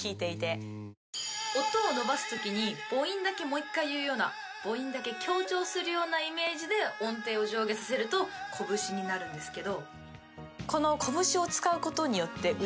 音を伸ばす時に母音だけもう一回言うような母音だけ強調するようなイメージで音程を上下させるとこぶしになるんですけど。